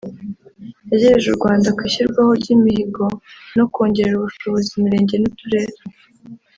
yageje u Rwanda ku ishyirwaho ry’imihigo no kongerera ubushobozi imirenge n’uturere